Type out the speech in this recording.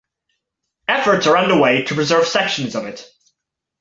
Efforts are underway to preserve sections of it.